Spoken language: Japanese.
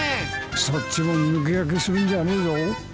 そっちも抜け駆けするんじゃねえぞ。